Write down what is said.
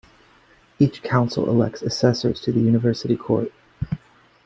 Each council elects assessors to the university court.